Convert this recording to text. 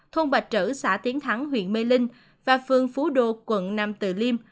thôn bạch trữ xã tiến thắng huyện mê linh và phương phú đô quận năm từ liêm